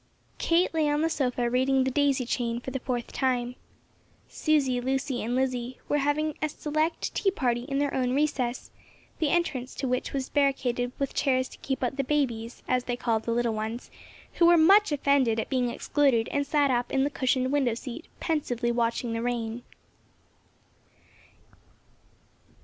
Kate lay on the sofa reading "The Daisy Chain" for the fourth time. Susy, Lucy and Lizzie were having a select tea party in their own recess, the entrance to which was barricaded with chairs to keep out the "babies," as they called the little ones, who were much offended at being excluded and sat up in the cushioned window seat pensively watching the rain.